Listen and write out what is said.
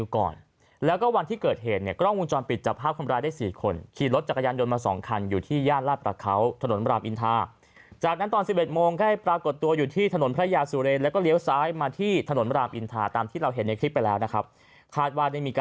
ขอเวลาเข้าทำงาน